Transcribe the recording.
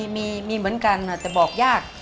มีเหมือนกันแต่บอกยาก